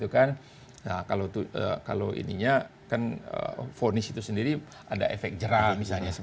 kalau ininya kan fonis itu sendiri ada efek jerah misalnya